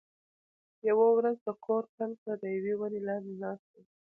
یوه ورځ د کور څنګ ته د یوې ونې لاندې ناست و،